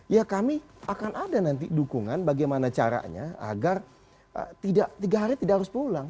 ya kami akan ada nanti dukungan bagaimana caranya agar tiga hari tidak harus pulang